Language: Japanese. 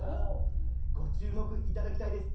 ご注目いただきたいです。